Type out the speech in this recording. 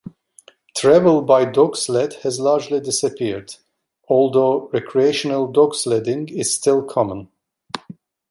Travel by dog sled has largely disappeared, although recreational dog-sledding is still common.